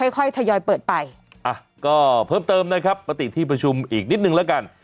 ค่อยทยอยเปิดไปอ่ะก็เพิ่มเติมนะครับปฏิที่ประชุมอีกนิดนึงแล้วกัน